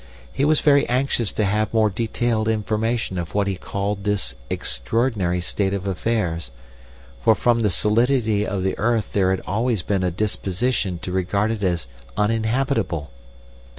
He was very anxious to have more detailed information of what he called this extraordinary state of affairs, for from the solidity of the earth there had always been a disposition to regard it as uninhabitable.